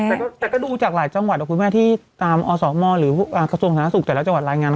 แต่ก็ดูจากหลายจังหวัดนะคุณแม่ที่ตามอสมหรือกระทรวงสาธารณสุขแต่ละจังหวัดรายงานมา